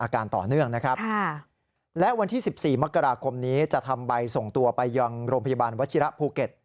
ครอบครมนี้จะทำใบส่งตัวไปยังโรงพยาบาลวชิระภูเก็ต